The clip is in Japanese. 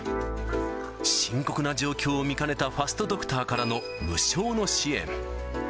深刻な状況を見かねたファストドクターからの無償の支援。